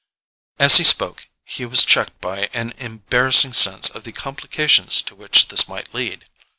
As he spoke, he was checked by an embarrassing sense of the complications to which this might lead.